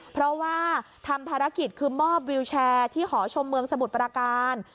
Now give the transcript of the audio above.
เพราะว่าทำภารกิจคือมอบวิวแชร์ที่หอชมเมืองสมุทรปราการ